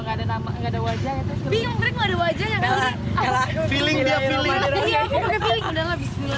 gefilas hati benar nggak aurel